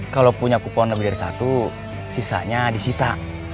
kalau punya kupon lebih dari satu sisanya disita